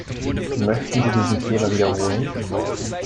Möchten Sie diesen Fehler wiederholen?